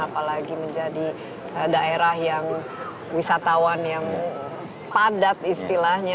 apalagi menjadi daerah yang wisatawan yang padat istilahnya